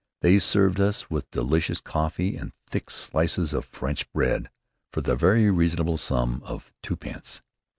They served us with delicious coffee and thick slices of French bread, for the very reasonable sum of twopence.